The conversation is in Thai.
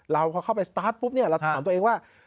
พอเข้าไปสตาร์ทปุ๊บเนี่ยเราถามตัวเองว่า